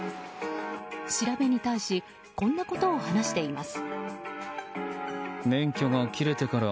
調べに対しこんなことを話しています。